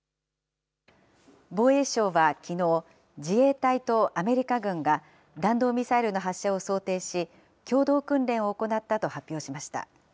防衛省はきのう、自衛隊とアメリカ軍が、弾道ミサイルの発射を想定し、共同訓練を行ったと発表しました。